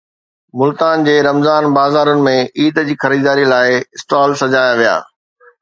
ملتان جي رمضان بازارن ۾ عيد جي خريداريءَ لاءِ اسٽال سجايا ويا